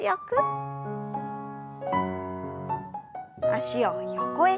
脚を横へ。